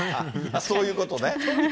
そういうことね。